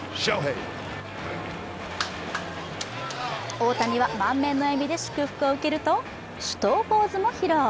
大谷は満面の笑みで祝福を受けると、手刀ポーズも披露。